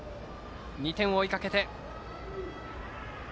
２点を追いかけて。